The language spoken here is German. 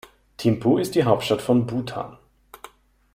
Thimphu ist die Hauptstadt von Bhutan.